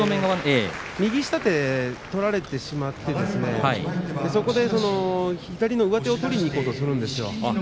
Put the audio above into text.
右下手を取られてしまってそこで左の上手を取りにいこうとするんです。